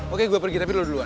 oke gue pergi tapi lo duluan